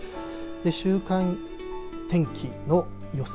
週間天気の予想